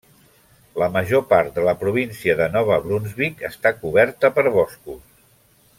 La major part de la província de Nova Brunsvic està coberta per boscos.